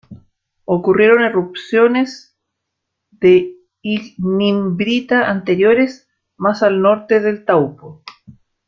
Ocurrieron erupciones de ignimbrita anteriores más al norte del Taupo.